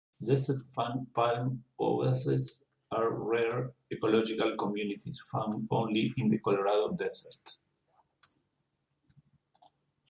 Desert fan palm oases are rare ecological communities found only in the Colorado Desert.